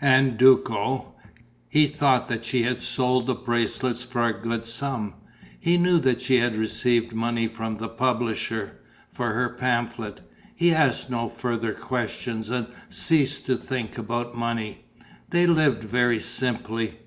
And Duco ... he thought that she had sold the bracelets for a good sum, he knew that she had received money from the publisher, for her pamphlet. He asked no further questions and ceased to think about money. They lived very simply....